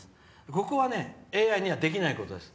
ここはＡＩでできないことです。